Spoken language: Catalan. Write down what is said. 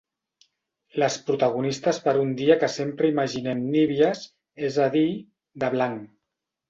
Les protagonistes per un dia que sempre imaginem nívies, és a dir, de blanc.